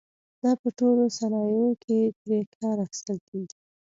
دا په ټولو صنایعو کې ترې کار اخیستل کېږي.